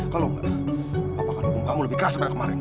kalau enggak papa akan hukum kamu lebih keras daripada kemarin